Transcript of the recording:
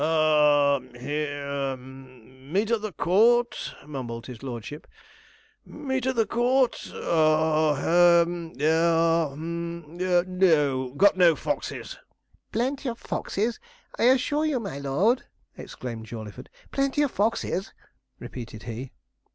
'Ha he hum. Meet at the Court,' mumbled his lordship 'meet at the Court ha he ha hum no; got no foxes.' 'Plenty of foxes, I assure you, my lord!' exclaimed Jawleyford. 'Plenty of foxes!' repeated he.